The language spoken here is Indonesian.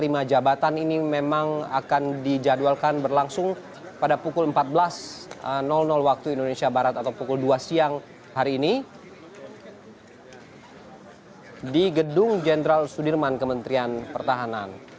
lima jabatan ini memang akan dijadwalkan berlangsung pada pukul empat belas waktu indonesia barat atau pukul dua siang hari ini di gedung jenderal sudirman kementerian pertahanan